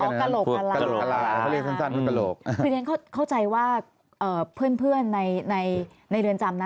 คืออย่างนั้นเข้าใจว่าเพื่อนในเรือนจำ